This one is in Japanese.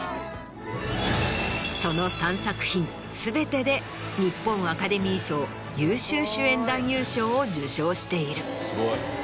その３作品全てで日本アカデミー賞優秀主演男優賞を受賞している。